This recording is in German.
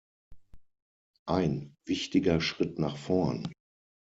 Ein wichtiger Schritt nach vorn.